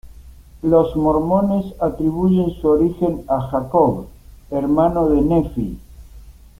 Los mormones atribuyen su origen a Jacob, hermano de Nefi.